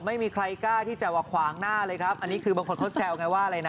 ไม่มีใครกล้าที่จะว่าขวางหน้าเลยครับอันนี้คือบางคนเขาแซวไงว่าอะไรนะ